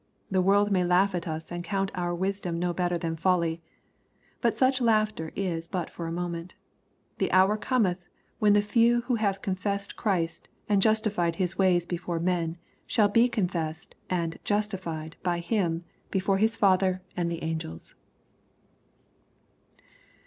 The world may laugh at us, and count our wisdom no better than folly. But such laughter is but for a moment. The hour cometh when the few who have confessed Christ, and justified His ways before men, shall be confessed and '^justified" by Him before His Father and the angels.